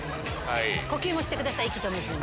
呼吸もしてください息止めずに。